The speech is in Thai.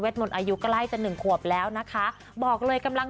มนต์อายุใกล้จะหนึ่งขวบแล้วนะคะบอกเลยกำลัง